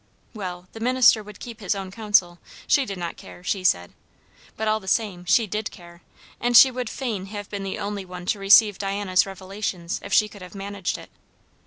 Well the minister would keep his own counsel; she did not care, she said. But all the same, she did care; and she would fain have been the only one to receive Diana's revelations, if she could have managed it.